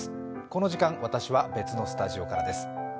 この時間、私は別のスタジオからです。